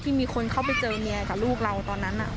มีคนเข้าไปเจอเมียกับลูกเราตอนนั้น